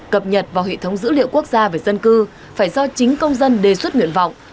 cập nhật vào hệ thống dữ liệu quốc gia về dân cư phải do chính công dân đề xuất nguyện vọng